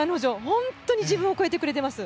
本当に自分を超えてくれています。